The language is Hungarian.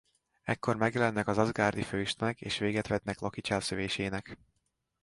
Ekkor megjelennek az asgardi főistenek és véget vetnek Loki cselszövésének.